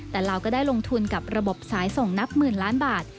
แต่เราก็ได้ลงทุนกับระบบสายส่งนับหมื่นล้านบาท